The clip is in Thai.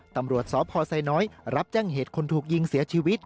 ตำรวจสพไซน้อยรับแจ้งเหตุคนถูกยิงเสียชีวิต